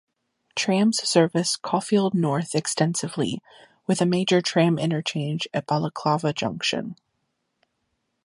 Trams service Caulfield North extensively, with a major tram interchange at Balaclava Junction.